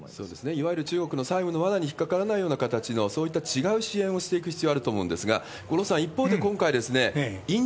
いわゆる中国の債務のわなに引っ掛からないような形の、そういった違う支援をしていく必要あると思うんですが、五郎さん、そうですね。